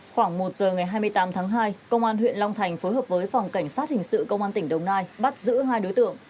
khoảng một giờ ngày hai mươi tám tháng hai công an huyện long thành phối hợp với phòng cảnh sát hình sự công an tỉnh đồng nai bắt giữ hai đối tượng